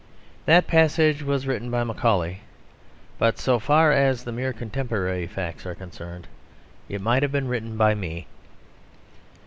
That passage was written by Macaulay, but so far as the mere contemporary facts are concerned, it might have been written by me.